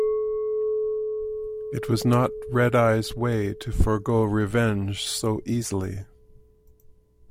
It was not Red-Eye's way to forego revenge so easily.